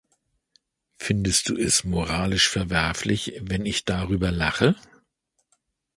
Findest du es moralisch verwerflich, wenn ich darüber lache?